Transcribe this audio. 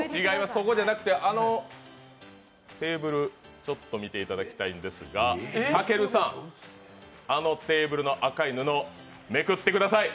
そこじゃなくて、あのテーブルちょっと見ていただきたいんですがたけるさん、あのテーブルの赤い布、めくってください！